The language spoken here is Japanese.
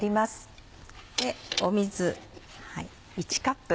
水。